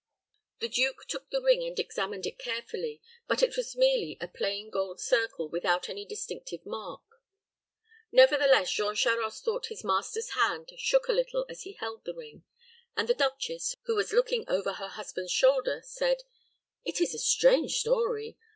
The duke took the ring and examined it carefully; but it was merely a plain gold circle without any distinctive mark. Nevertheless, Jean Charost thought his master's hand shook a little as he held the ring, and the duchess, who was looking over her husband's shoulder, said, "It is a strange story.